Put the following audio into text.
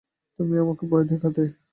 তুমি আমাকে ভয় দেখাতে।